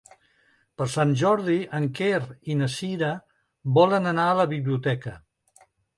Per Sant Jordi en Quer i na Cira volen anar a la biblioteca.